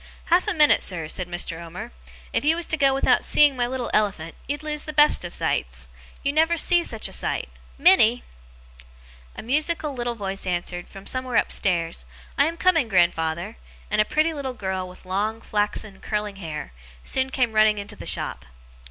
'Half a minute, sir,' said Mr. Omer. 'If you was to go without seeing my little elephant, you'd lose the best of sights. You never see such a sight! Minnie!' A musical little voice answered, from somewhere upstairs, 'I am coming, grandfather!' and a pretty little girl with long, flaxen, curling hair, soon came running into the shop.